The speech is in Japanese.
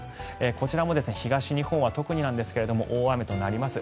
こちらも東日本は特になんですが大雨となります。